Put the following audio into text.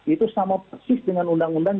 itu sama persis dengan undang undang